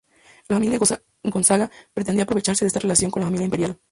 La familia Gonzaga pretendía aprovecharse de esta relación con la familia imperial.